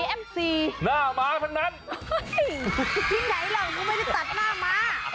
เฮ้ยที่ไหนหรอกที่ไม่ได้ตัดหน้ามะ